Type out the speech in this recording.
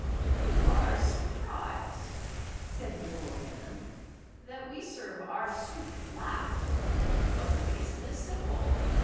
"You are surprised," said the old man, "that we serve our soup last, but the reason is simple.